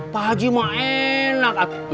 pak haji mah enak